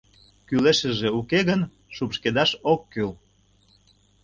Кӱлешыже уке гын, шупшкедаш ок кӱл.